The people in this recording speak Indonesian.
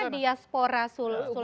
karena diaspora sulawesi selatan